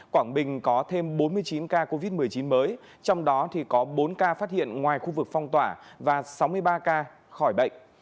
quảng bình có thêm bốn mươi chín ca covid một mươi chín mới trong đó có bốn ca phát hiện ngoài khu vực phong tỏa và sáu mươi ba ca khỏi bệnh